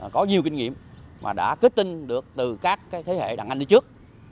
có nhiều kinh nghiệm mà đã kết tinh được từ các thế hệ đặng anh đi trước